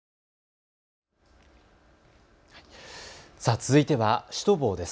続いてシュトボーです。